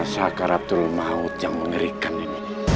saka rapturul maut yang mengerikan ini